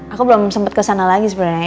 aku belum sempet kesana lagi sebenernya